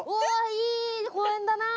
いい公園だな。